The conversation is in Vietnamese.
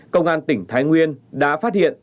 công an tỉnh thái nguyên đã phát hiện